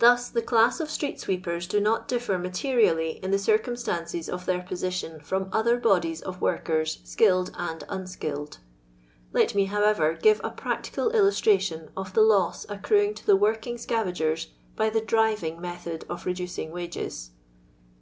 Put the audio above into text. Thus the class of 8tree^sweeper8 do not differ materially in the circumstances of their position from other bodies of workers skilled and un skilled. Let me, however, give a practical illustration of the lou accruing to the working scavagers by the driving method of reducing wages.